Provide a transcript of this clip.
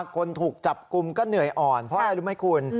คนถูกจับกลุ่มก็เหนื่อยอ่อนเพราะอะไรรู้ไหมคุณ